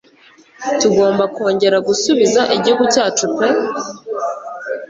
Tugomba kongera gusubiza igihugu cyacu pe